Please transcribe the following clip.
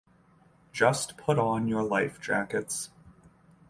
Just put on your life jackets.